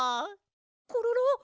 コロロ？